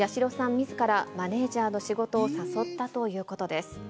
みずから、マネージャーの仕事を誘ったということです。